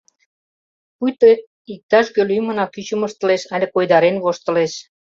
Пуйто иктаж-кӧ лӱмынак ӱчым ыштылеш але койдарен воштылеш.